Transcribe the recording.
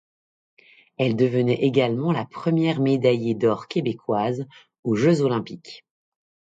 Elle devenait également la première médaillée d'or québécoise aux Jeux olympiques.